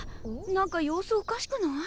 何か様子おかしくない？